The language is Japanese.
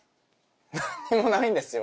何もないんですよ